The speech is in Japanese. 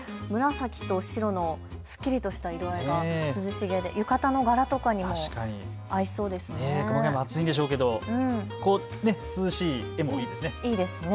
紫と白のすっきりとした色合いが涼しげで浴衣の柄とかにも合いそうですね。